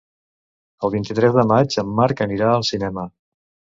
El vint-i-tres de maig en Marc anirà al cinema.